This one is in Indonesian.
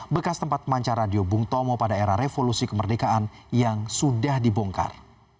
bekas tempat pemancar radio bung tomo pada era revolusi kemerdekaan yang sudah dibongkar